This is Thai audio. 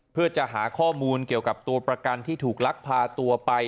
เพื่อจะหาข้อมูลเกี่ยวกับตัวประกันที่ถูกลักพาตัวไป